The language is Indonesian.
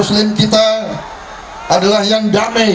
muslim kita adalah yang damai